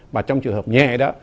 và trong trường hợp nhẹ đó